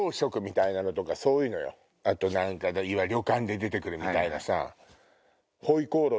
あと旅館で出てくるみたいなさ。